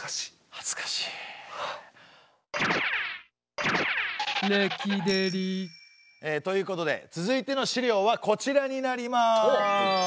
はずかしい。ということで続いての資料はこちらになります。